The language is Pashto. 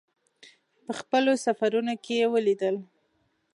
په خپلو سفرونو کې یې ولیدل.